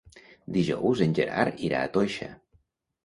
Dijous en Gerard irà a Toixa.